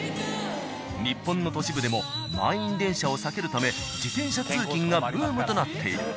日本の都市部でも満員電車を避けるため自転車通勤がブームとなっている。